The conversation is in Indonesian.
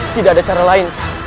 tidak ada cara lain